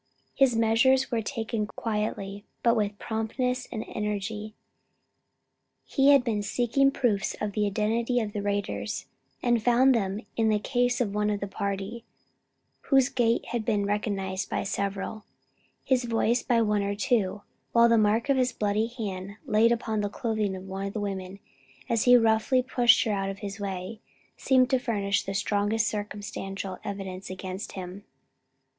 His measures were taken quietly, but with promptness and energy. He had been seeking proofs of the identity of the raiders, and found them in the case of one of the party; whose gait had been recognized by several, his voice by one or two, while the mark of his bloody hand laid upon the clothing of one of the women as he roughly pushed her out of his way, seemed to furnish the strongest circumstantial evidence against him.